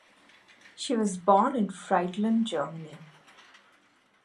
She was born in Friedland, Germany.